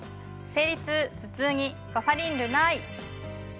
生理痛・頭痛にバファリンルナｉ。